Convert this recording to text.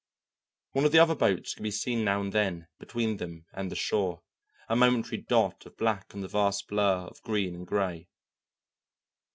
One of the other boats could be seen now and then between them and the shore, a momentary dot of black on the vast blur of green and gray.